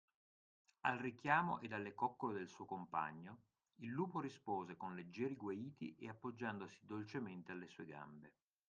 Al richiamo ed alle coccole del suo compagno, il lupo rispose con leggeri guaiti ed appoggiandosi dolcemente alle sue gambe.